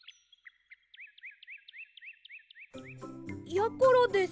やころです。